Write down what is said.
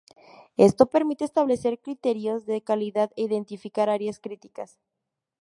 Esto permite establecer criterios de calidad e identificar áreas críticas.